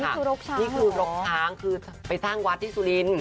รกช้างนี่คือรกช้างคือไปสร้างวัดที่สุรินทร์